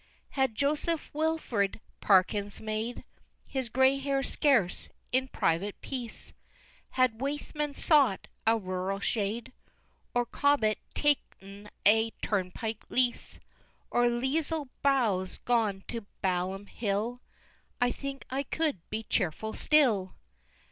VI. Had Joseph Wilfrid Parkins made His gray hairs scarce in private peace Had Waithman sought a rural shade Or Cobbett ta'en a turnpike lease Or Lisle Bowles gone to Balaam Hill I think I could be cheerful still!